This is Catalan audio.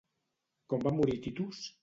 Com va morir Titus?